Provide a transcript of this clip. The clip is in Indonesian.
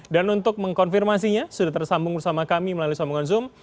untuk mengkonfirmasinya sudah tersambung bersama kami melalui sambungan zoom